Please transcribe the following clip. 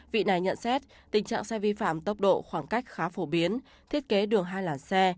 vị này nhận xét tình trạng xe vi phạm tốc độ khoảng cách khá phổ biến thiết kế đường hai làn xe